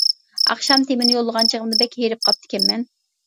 ئاخشام تېمىنى يوللىغان چېغىمدا بەك ھېرىپ قاپتىكەنمەن.